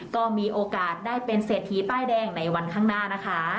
ก็มีโอกาสได้เป็นเศรษฐีป้ายแดงในวันข้างหน้านะคะ